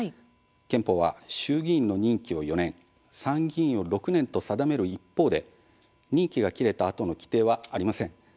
憲法は衆議院の任期を４年参議院を６年と定める一方で任期が切れたあとの規定はありません。